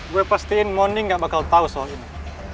gue pastiin mondi gak bakal tau soal ini